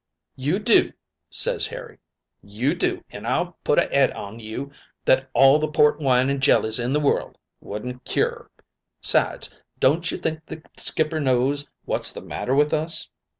"'You do!' ses Harry, 'you do, an' I'll put a 'ed on you that all the port wine and jellies in the world wouldn't cure. 'Sides, don't you think the skipper knows what's the matter with us?'